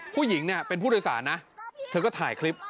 ผู้หญิงเนี่ยเป็นผู้โดยสารนะเธอก็ถ่ายคลิป